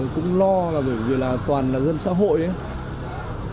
cũng lo là bởi vì là toàn là hơn xã hội ấy